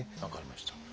分かりました。